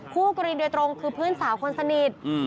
คู่กรณีโดยตรงคือเพื่อนสาวคนสนิท